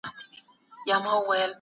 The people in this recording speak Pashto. اقتصاد پیاوړی کړئ.